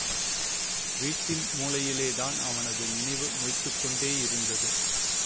வீட்டின் மூலையிலேதான் அவனது நினைவு மொய்த்துக் கொண்டேயிருந்தது.